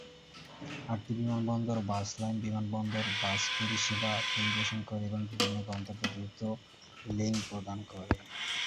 আটটি বিমানবন্দর bus line বিমানবন্দর বাস পরিষেবা পরিবেশন করে এবং বিভিন্ন গন্তব্যে দ্রুত লিঙ্ক প্রদান করে।